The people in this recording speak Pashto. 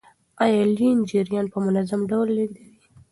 آیا لین جریان په منظم ډول لیږدوي؟